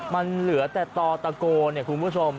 มันเหลือแค่ต่อตะโกวันคุณผู้ชม